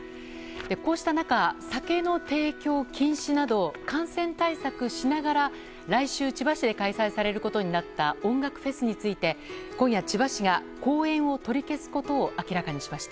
こうした中、酒の提供禁止など感染対策しながら来週、千葉市で開催されることになった音楽フェスについて今夜、千葉市が後援を取り消すことを明らかにしました。